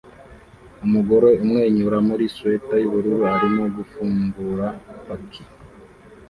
Umugore umwenyura muri swater yubururu arimo gufungura paki